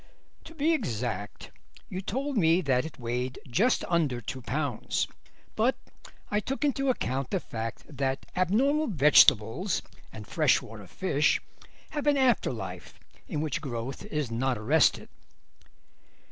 "To be exact you told me that it weighed just under two pounds, but I took into account the fact that abnormal vegetables and freshwater fish have an after life, in which growth is not arrested."